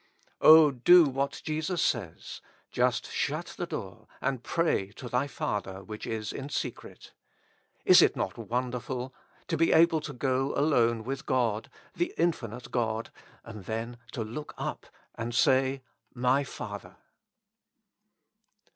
O do what Jesus says : Just shut the door and pray to thy Father which is in secret. Is it not wonderful? to be able to go alone with God, the infinite God. And then to look up and say : My Father